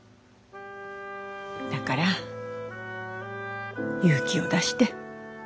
だから勇気を出して。